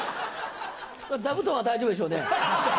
座布団は大丈夫でしょうね？